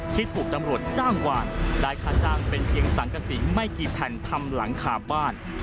ที่ถูกตำรวจจ้างวางได้ค่าจ้างเป็นเพียงสังกษีไม่กี่แผ่นทำหลังคาบ้าน